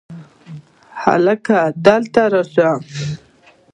هلکه! دلته راشه!